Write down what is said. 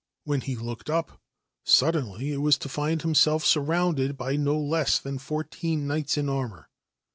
When he looked up suddenly it was find himself surrounded by no less than fourteen knigl: in armour.